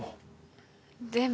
でも。